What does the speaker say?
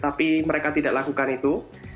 tapi mereka tidak lakukan itu